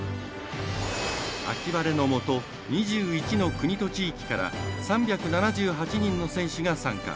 秋晴れのもと２１の国と地域から３７８人の選手が参加。